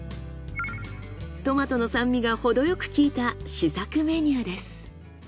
トマトの酸味が程よく効いた試作メニューです。